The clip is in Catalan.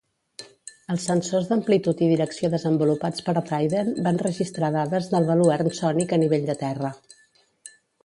Els sensors d'amplitud i direcció desenvolupats per Dryden van registrar dades del baluern sònic a nivell de terra.